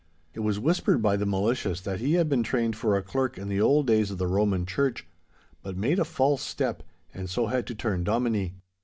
It was whispered by the malicious that he had been trained for a clerk in the old days of the Roman Church, but made a false step, and so had to turn dominie.